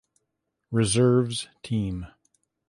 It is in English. Reserves team.